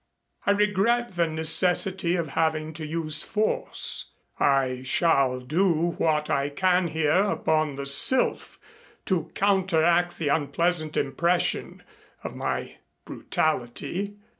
I regret the necessity of having to use force. I shall do what I can here upon the Sylph to counteract the unpleasant impression of my brutality.